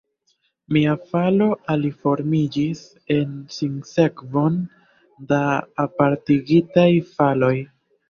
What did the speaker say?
Mia falo aliformiĝis en sinsekvon da apartigitaj faloj.